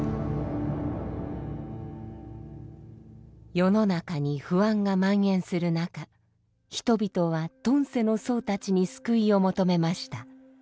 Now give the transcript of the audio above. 世の中に不安がまん延する中人々は遁世の僧たちに救いを求めました。